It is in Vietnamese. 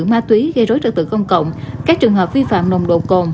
ma túy gây rối trật tự công cộng các trường hợp vi phạm nồng độ cồn